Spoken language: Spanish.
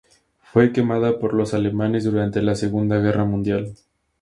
Fue quemada por los alemanes durante la Segunda Guerra Mundial.